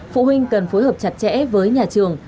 phụ huynh cần phối hợp chặt chẽ với nhà trường